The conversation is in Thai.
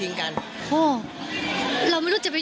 เห็นสางแนวคื่อไหม